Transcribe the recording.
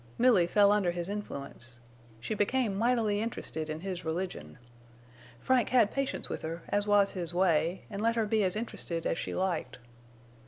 Milly fell under his influence. She became mightily interested in his religion. Frank had patience with her, as was his way, an' let her be as interested as she liked.